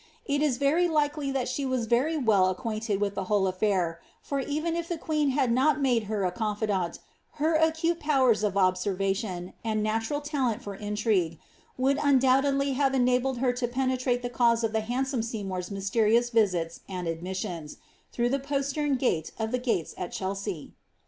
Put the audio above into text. It is very likely that she was very well acquainted with the whole af&ir, for even if the queen had not made her a confidante, her acute powers of observation, and natural talent for intrigue, would undoubtedly have enabled her to penetrate the cause of the handsome Seymour^s mysterious visits and ailmissions, through the postern gate of the gardens at Chelsea.